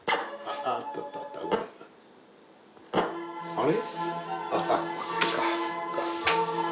あれ？